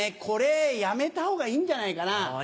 これやめたほうがいいんじゃないかなぁ。